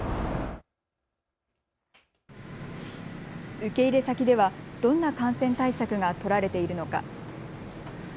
受け入れ先ではどんな感染対策が取られているのか。